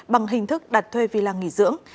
bằng hình thức đặt thuê vì là nghỉ dưỡng